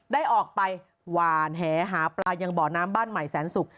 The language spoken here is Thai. ได้ออกไปหวานแหหาปลายังบ่อน้ำบ้านใหม่แสนศุกร์